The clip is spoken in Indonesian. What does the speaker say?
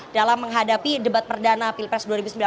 dalam menghadapi debat perdana pilpres dua ribu sembilan belas